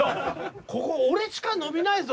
ここ俺しか伸びないぞ